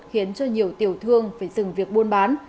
khiến cho nhiều tiểu thương phải dừng việc buôn bán